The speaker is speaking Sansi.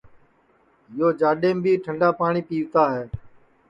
یو جاڈؔیم بی ٹھنٚڈا پاٹؔی پیوتا ہے